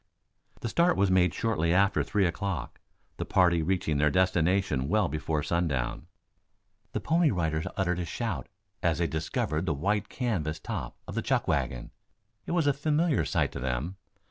The start was made shortly after three o'clock, the party reaching their destination well before sundown. The Pony Riders uttered a shout as they descried the white canvas top of the chuck wagon. It was a familiar sight to them.